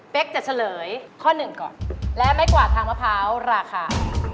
จะเฉลยข้อหนึ่งก่อนและไม่กวาดทางมะพร้าวราคา